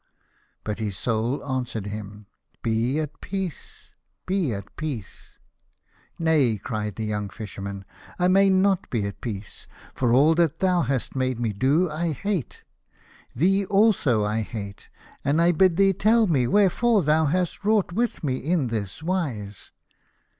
But his Soul answered him, " Be at peace, be at peace." " Nay," cried the young Fisherman, " I may not be at peace, for all that thou hast made me to do I hate. Thee also I hate, and I bid thee tell me wherefore thou hast wrought with me in this wise."